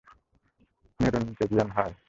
Nedunchezhiyan, হায়!